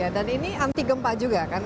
dan ini anti gempa juga kan